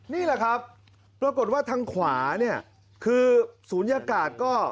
นี่แหละครับปรากฏว่าทางขวาเนี่ยคือศูนยากาศก็